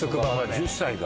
１０歳か。